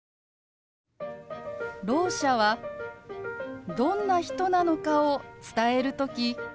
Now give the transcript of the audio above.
ろう者はどんな人なのかを伝える時